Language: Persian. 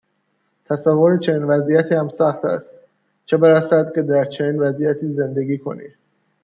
تصور چنین وضعیتی هم سخت هست، چه برسد که در چنین وضعیتی زندگی کنی.